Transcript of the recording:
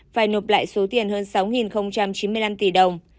phải nộp lại số tiền hơn sáu chín mươi năm tỷ đồng